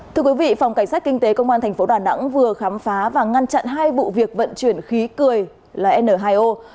thưa quý vị phòng cảnh sát kinh tế công an tp đà nẵng vừa khám phá và ngăn chặn hai vụ việc vận chuyển khí cười là n hai o